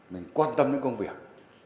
mình quan tâm đến công việc